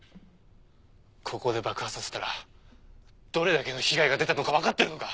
ここで爆破させたらどれだけの被害が出たのかわかってるのか！？